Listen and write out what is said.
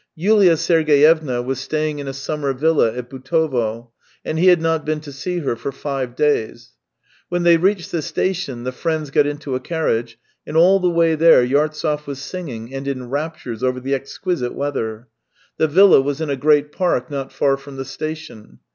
Yulia Sergeyevna was staying in a summer villa at Butovo, and he had not been to see her for five days. When they reached the station the friends got into a carriage, and all the way there Yartsev was singing and in raptures over the exquisite weather. The villa was in a great park not far from the station.